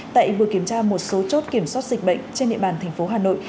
tại vừa kiểm tra một số chốt kiểm soát dịch bệnh trên địa bàn thành phố hà nội